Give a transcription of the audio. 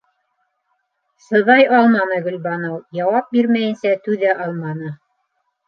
Сыҙай алманы Гөлбаныу, яуап бирмәйенсә түҙә алманы: